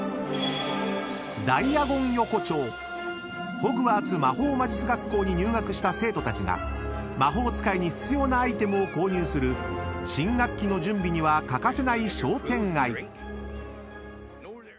［ホグワーツ魔法魔術学校に入学した生徒たちが魔法使いに必要なアイテムを購入する新学期の準備には欠かせない商店街］